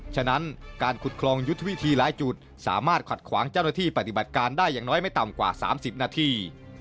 ฉะนั้นการขุดคลองยุทธวิธีหลายจุดสามารถขัดขวางเจ้าหน้าที่ปฏิบัติการได้อย่างน้อยไม่ต่ำกว่า๓๐นาที